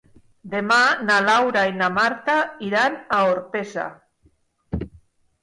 Demà na Laura i na Marta iran a Orpesa.